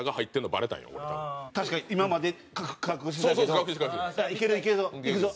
確かに今まで隠してたけどいけるいけるぞいくぞ。